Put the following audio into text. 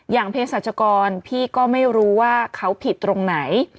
เพศรัชกรพี่ก็ไม่รู้ว่าเขาผิดตรงไหน